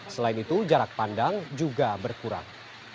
selain itu jarak pandang juga berkurang